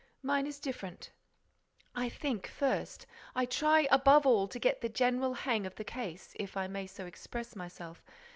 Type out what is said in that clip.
—Mine is different.—I think first, I try, above all, to get the general hang of the case, if I may so express myself.